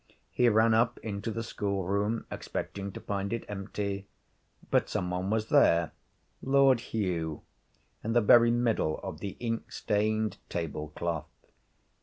He ran up into the schoolroom, expecting to find it empty. But some one was there: Lord Hugh, in the very middle of the ink stained table cloth.